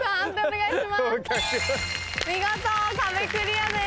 見事壁クリアです。